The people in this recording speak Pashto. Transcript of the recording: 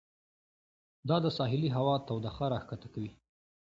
دا د ساحلي هوا تودوخه راښکته کوي.